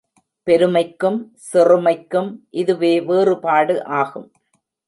பெருமைக்கும் சிறுமைக்கும் இதுவே வேறுபாடு ஆகும்.